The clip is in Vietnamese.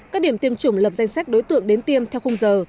các điểm tiêm chủng lập danh sách đối tượng đến tiêm theo khung giờ